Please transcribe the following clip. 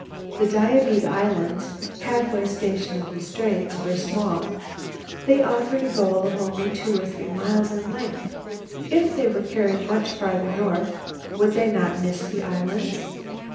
The Diomede Islands, halfway station of the Straits, were small; they offered a goal only two or three miles in length. If they were carried much farther north, would they not miss the islands?